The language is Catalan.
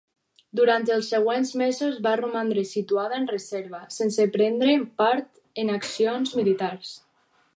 Durant els següents mesos va romandre situada en reserva, sense prendre part en accions militars.